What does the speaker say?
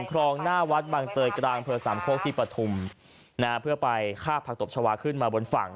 คลองหน้าวัดบังเตยกลางอำเภอสามโคกที่ปฐุมนะฮะเพื่อไปฆ่าผักตบชาวาขึ้นมาบนฝั่ง